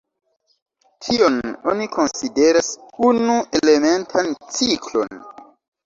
Tion oni konsideras unu-elementan ciklon.